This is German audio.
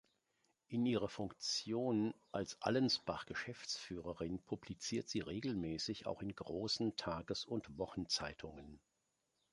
In ihrer Funktion als Allensbach-Geschäftsführerin publiziert sie regelmäßig auch in großen Tages- und Wochenzeitungen.